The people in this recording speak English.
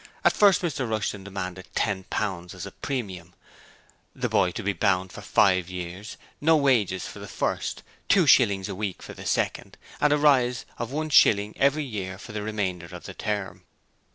At first Mr Rushton demanded ten pounds as a premium, the boy to be bound for five years, no wages the first year, two shillings a week the second, and a rise of one shilling every year for the remainder of the term.